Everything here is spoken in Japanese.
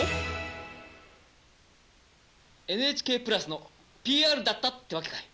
ＮＨＫプラスのＰＲだったってわけかい。